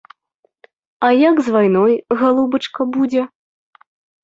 А як з вайной, галубачка, будзе?